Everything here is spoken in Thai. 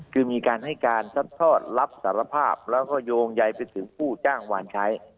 คือมีการให้การซัดทอดรับสารภาพแล้วก็โยงใยไปถึงผู้จ้างวานใช้